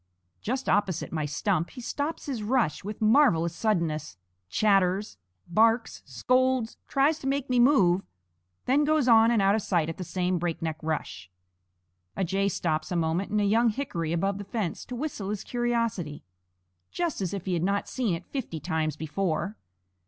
Just opposite my stump he stops his rush with marvelous suddenness; chatters, barks, scolds, tries to make me move; then goes on and out of sight at the same breakneck rush. A jay stops a moment in a young hickory above the fence to whistle his curiosity, just as if he had not seen it fifty times before.